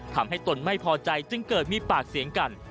ตนไม่พอใจจึงเกิดมีปากเสียงกัน